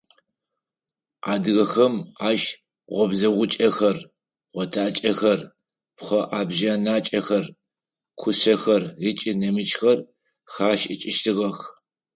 Адыгэхэм ащ обзэгъукӏэхэр, отакӏэхэр, пхъэӏэбжъэнакӏэхэр, кушъэхэр ыкӏи нэмыкӏхэр хашӏыкӏыщтыгъэх.